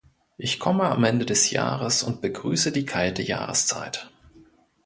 Ich komme am Ende des Jahres und begrüße die kalte Jahreszeit.